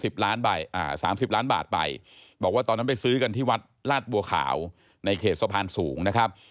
อ่าสามสิบล้านบาทไปบอกว่าตอนนั้นไปซื้อกันที่วัดลาดบัวขาวในเขตสะพานสูงนะครับ